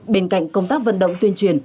bên cạnh công tác vận động tuyên truyền